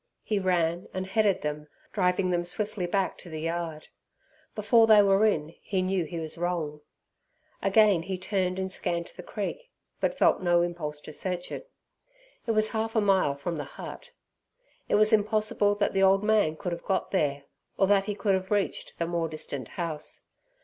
He ran and headed them, driving them swiftly back to the yard. Before they were in he knew he was wrong. Again he turned and scanned the creek, but felt no impulse to search it. It was half a mile from the hut. It was impossible that the old man could have got there, or that he could have reached the more distant house.